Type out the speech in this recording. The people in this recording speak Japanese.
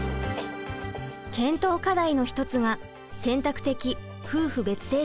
検討課題の一つが選択的夫婦別姓制度です。